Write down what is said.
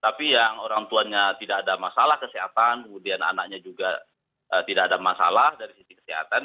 tapi yang orang tuanya tidak ada masalah kesehatan kemudian anaknya juga tidak ada masalah dari sisi kesehatan